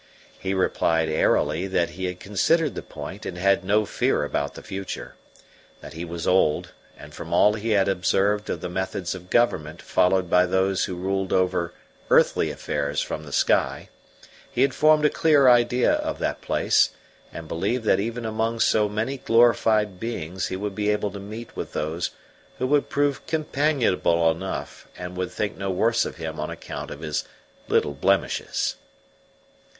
He replied airily that he had considered the point and had no fear about the future; that he was old, and from all he had observed of the methods of government followed by those who ruled over earthly affairs from the sky, he had formed a clear idea of that place, and believed that even among so many glorified beings he would be able to meet with those who would prove companionable enough and would think no worse of him on account of his little blemishes.